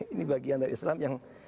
ini bagian dari islam yang